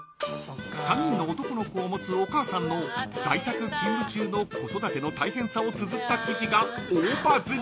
［３人の男の子を持つお母さんの在宅勤務中の子育ての大変さをつづった記事が大バズり］